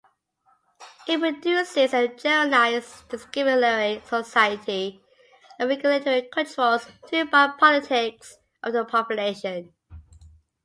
It produces a generalized disciplinary society and "regulatory controls" through "biopolitics of the population".